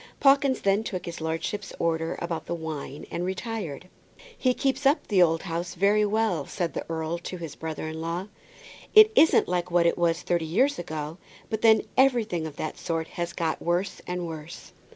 Pawkins then took his lordship's orders about the wine and retired. "He keeps up the old house pretty well," said the earl to his brother in law. "It isn't like what it was thirty years ago, but then everything of that sort has got worse and worse."